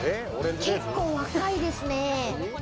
結構若いですね。